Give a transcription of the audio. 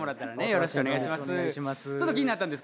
よろしくお願いします